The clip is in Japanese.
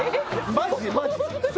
マジマジ！